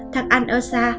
thằng anh ở xa